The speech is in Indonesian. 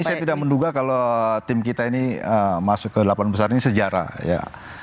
tapi saya tidak menduga kalau tim kita ini masuk ke delapan besar ini sejarah ya